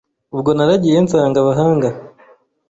Ubwo naragiye nsanga abaganga,